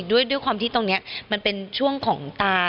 ด้วยความที่ตรงนี้มันเป็นช่วงของตา